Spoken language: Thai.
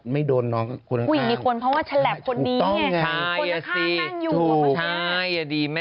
ไม่โดนน้องผู้หญิงมีคนเพราะว่าฉลับคนดีเนี่ยถูกต้องไง